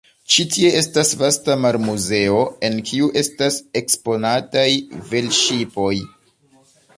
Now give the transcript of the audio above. Ĉi tie estas vasta marmuzeo, en kiu estas eksponataj velŝipoj.